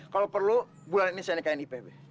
kalau perlu bulan ini saya nikahin ipih be